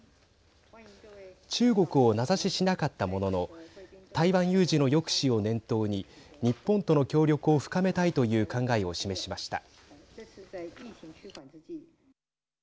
中国を名指ししなかったものの台湾有事の抑止を念頭に日本との協力を深めたいという考えを示しました。